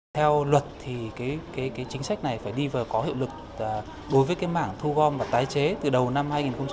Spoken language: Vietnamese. theo luật thì cái chính sách này phải đi vào có hiệu lực đối với cái mảng thu gom và tái chế từ đầu năm hai nghìn một mươi chín